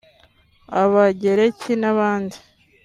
Abagereki n’abandi